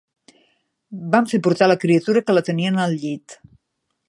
Van fer portar la criatura que la tenien al llit